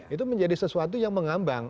itu menjadi sesuatu yang mengambang